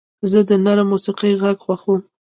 زه د نرم موسیقۍ غږ خوښوم.